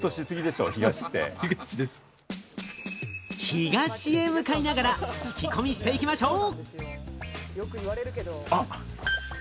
東へ向かいながら、聞き込みしていきましょう。